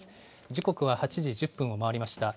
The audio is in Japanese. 時刻は８時１０分を回りました。